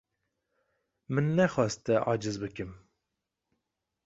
Min nexwest te aciz bikim.